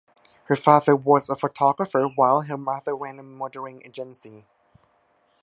Her father was a photographer, while her mother ran a modelling agency.